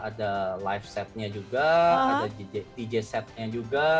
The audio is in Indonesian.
ada live setnya juga ada dj setnya juga